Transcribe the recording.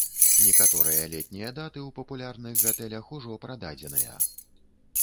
Некаторыя летнія даты ў папулярных гатэлях ужо прададзеныя.